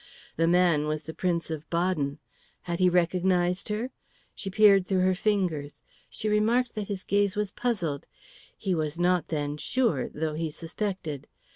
The man was the Prince of Baden. Had he recognised her? She peered between her fingers; she remarked that his gaze was puzzled; he was not then sure, though he suspected.